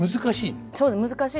難しい？